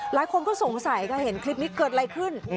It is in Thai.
หลายคนก็สงสัยค่ะเห็นคลิปนี้เกิดอะไรขึ้น